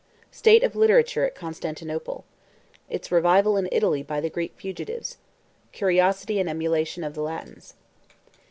—State Of Literature At Constantinople.—Its Revival In Italy By The Greek Fugitives.—Curiosity And Emulation Of The Latins.